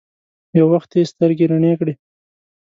يو وخت يې سترګې رڼې کړې.